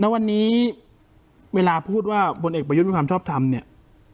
วันนี้เวลาพูดว่าผลเอกประยุทธิ์มีความชอบทำ